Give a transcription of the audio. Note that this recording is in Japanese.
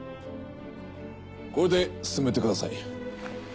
これで進めてください。